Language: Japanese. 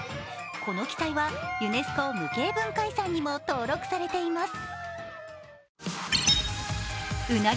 この奇祭は、ユネスコ無形文化遺産にも登録されています。